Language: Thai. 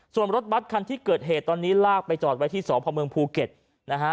ส่วนรถบัตรคันที่เกิดเหตุตอนนี้ลากไปจอดไว้ที่สพเมืองภูเก็ตนะฮะ